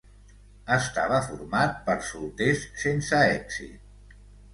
Estava format per solters sense èxit.